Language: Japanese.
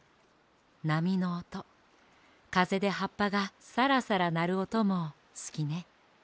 なみのおとかぜではっぱがサラサラなるおともすきね。